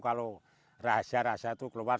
kalau rahasia rahasia itu keluar